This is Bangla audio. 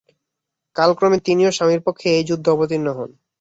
কালক্রমে তিনিও তাঁর স্বামীর পক্ষে এই যুদ্ধে অবতীর্ণ হন।